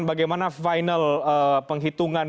bagaimana final penghitungan